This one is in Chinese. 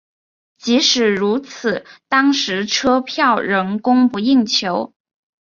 即使如此当时车票仍供不应求。